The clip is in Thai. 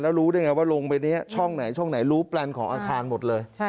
และรู้ว่าลงไปช่องไหนรู้แปลนของอาคารหมดเลย